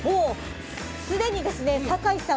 すでに酒井さん